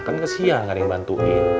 kan kesian gak ada yang bantuin